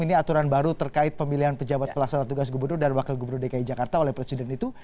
ini aturan baru terkait pemilihan pejabat pelaksana tugas gubernur dan wakil gubernur dki jakarta oleh presiden itu